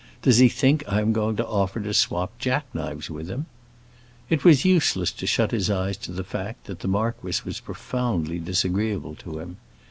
"Does he think I am going to offer to swap jack knives with him?" It was useless to shut his eyes to the fact that the marquis was profoundly disagreeable to him.